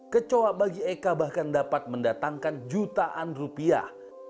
kecoa bagi eka bahkan dapat mendatangkan jutaan rupiah